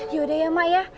yaudah ya mak ya